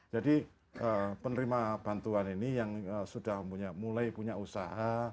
jadi penerima bantuan ini yang sudah mulai punya usaha